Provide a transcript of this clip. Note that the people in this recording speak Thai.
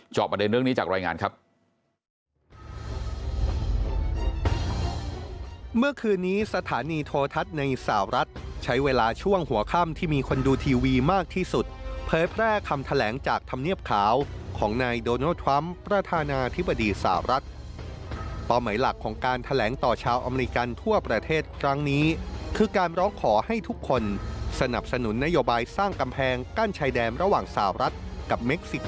ประเด็นเรื่องนี้จากรายงานครับ